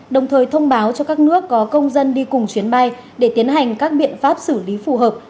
đồng thời thông báo cho các nước có công dân đi cùng chuyến bay để tiến hành các biện pháp xử lý phù hợp